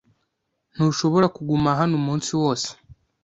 Ntushobora kuguma hano umunsi wose.